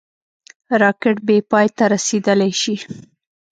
راکټ بېپای ته رسېدلای شي